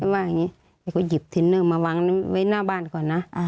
เขาก็หยิบทินเนอร์มาวางไว้หน้าบ้านก่อนนะ